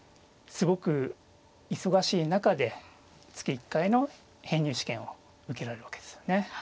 すごく忙しい中で月１回の編入試験を受けられるわけですよね。